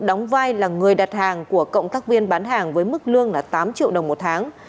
đóng vai là người đặt hàng của cộng tác viên bán hàng với mức lương tám triệu đồng một tháng